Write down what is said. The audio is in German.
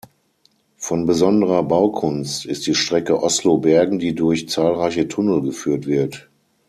Von besonderer Baukunst ist die Strecke Oslo–Bergen, die durch zahlreiche Tunnel geführt wird.